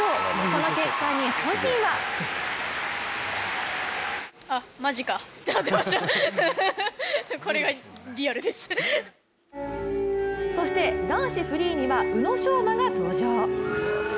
この結果に本人はそして、男子フリーには宇野昌磨が登場。